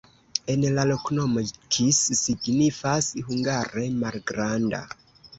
En la loknomo kis signifas hungare: malgranda.